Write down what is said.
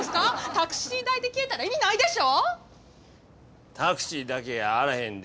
タクシー代で消えたら意味ないでしょ？